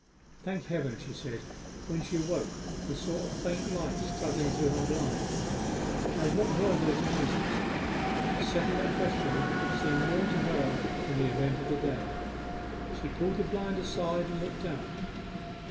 'Thank Heaven!' she said, when she awoke and saw a faint light struggling through her blind. 'Now what were those noises?' To settle that question seemed more to her than the event of the day. She pulled the blind aside and looked out.